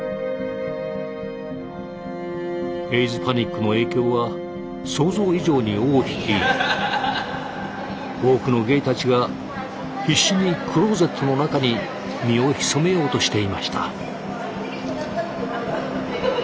エイズパニックの影響は想像以上に尾を引き多くのゲイたちが必死にクローゼットの中に身を潜めようとしていました。